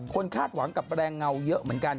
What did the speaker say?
คาดหวังกับแรงเงาเยอะเหมือนกัน